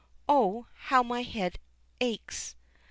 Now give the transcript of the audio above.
Oh, how my head aches!